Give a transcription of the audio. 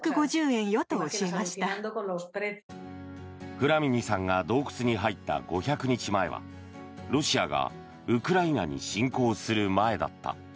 フラミニさんが洞窟に入った５００日前はロシアがウクライナに侵攻する前だった。